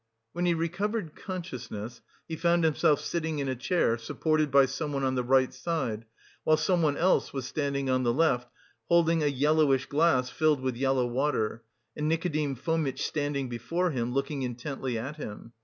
When he recovered consciousness, he found himself sitting in a chair, supported by someone on the right side, while someone else was standing on the left, holding a yellowish glass filled with yellow water, and Nikodim Fomitch standing before him, looking intently at him.